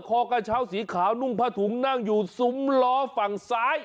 คอกระเช้าสีขาวนุ่งผ้าถุงนั่งอยู่ซุ้มล้อฝั่งซ้าย